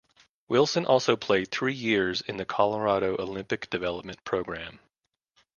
Wilson also played three years in the Colorado Olympic Development Program.